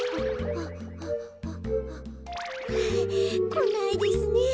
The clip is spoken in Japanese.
こないですねえ。